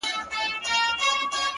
چي كورنۍ يې”